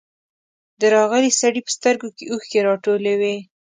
د راغلي سړي په سترګو کې اوښکې راټولې وې.